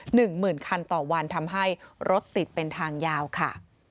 หนึ่งหมื่นคันต่อวันทำให้รถติดเป็นทางยาวค่ะ